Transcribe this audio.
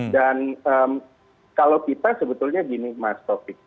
dan kalau kita sebetulnya gini mas topik